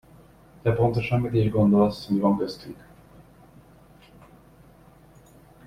Te pontosan mit is gondolsz, mi van köztünk?